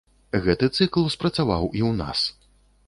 Гэты цыкл спрацаваў і ў нас.